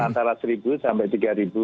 antara rp satu sampai rp tiga